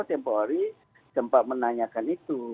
tempoari sempat menanyakan itu